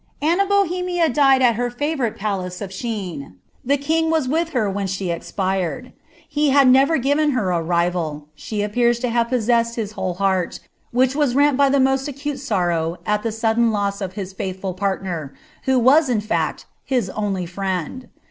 Anne of Bohemia died at her favourite palace of Shene ; dw ki^ mt with her when she expired. He had never given her a riva] ; abe appMB to have possessed his whole heart, which was rent by ilw num vtrit sorrow at ilie sudden loss of his fiiiibful partner, who was, in kt, hit only friend.